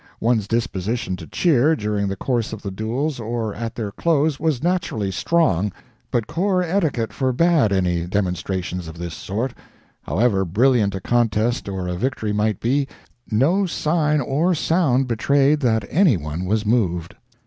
One's disposition to cheer, during the course of the duels or at their close, was naturally strong, but corps etiquette forbade any demonstrations of this sort. However brilliant a contest or a victory might be, no sign or sound betrayed that any one was moved.